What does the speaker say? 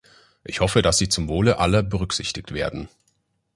Ich hoffe, dass sie zum Wohle aller berücksichtigt werden.